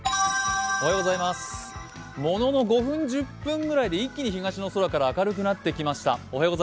ものの５分１０分ぐらいで、一気に東の空から明るくなってきました。